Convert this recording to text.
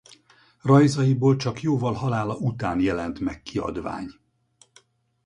Rajzaiból csak jóval halála után jelent meg kiadvány.